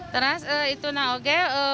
terus itu nah oke